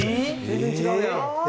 全然違うやん。